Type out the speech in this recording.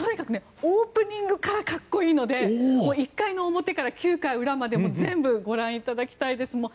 オープニングから格好いいので１回の表から９回裏まで全部ご覧いただきたいです。